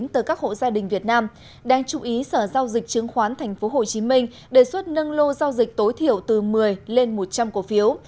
từ các hộ gia đình việt nam đang chú ý sở giao dịch chứng khoán tp hcm đề xuất nâng lô giao dịch tối thiểu từ một mươi lên một trăm linh cổ phiếu